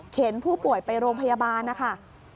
ผู้ป่วยไปโรงพยาบาลนะคะ